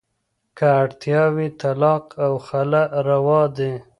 که اړتیا وي، طلاق او خلع روا دي.